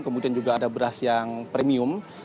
kemudian juga ada beras yang premium